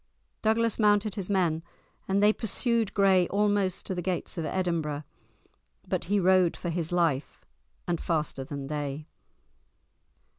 Douglas mounted his men, and they pursued Gray almost to the gates of Edinburgh; but he rode for his life, and faster than they.